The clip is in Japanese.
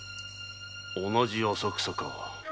同じ浅草か。